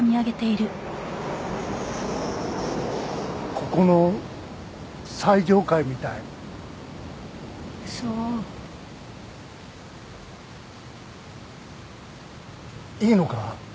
ここの最上階みたいそういいのか？